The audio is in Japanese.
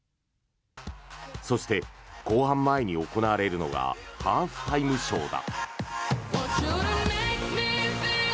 そして、後半前に行われるのがハーフタイムショーだ。